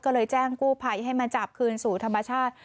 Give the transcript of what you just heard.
ก็เลยแจ้งกู้ภัยให้มาจับคืนสู่ธรรมชาติ